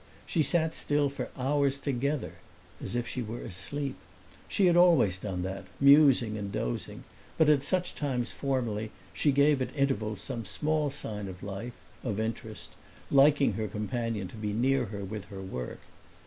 She sat still for hours together, as if she were asleep; she had always done that, musing and dozing; but at such times formerly she gave at intervals some small sign of life, of interest, liking her companion to be near her with her work.